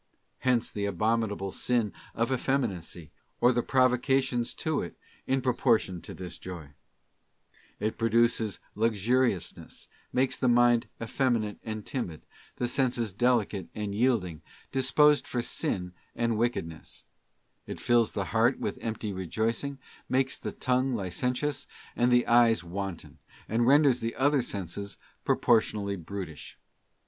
Hence the abominable sin of effeminacy, or the provocations to it, in proportion to this joy. It produces luxuriousness, makes the mind effeminate and timid, the senses delicate * S, Luke xvi. 19. near oe JOY OF SELF DENIAL IN SENSIBLE GOODS. 269 and yielding, disposed for sin and wickedness. It fills the heart with empty rejoicing, makes the tongue licéntious, and the eyes wanton, and renders the other senses proportionally brutish.